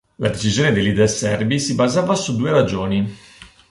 La decisione dei leader serbi si basava su due ragioni.